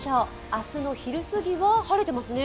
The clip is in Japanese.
明日の昼過ぎは晴れてますね。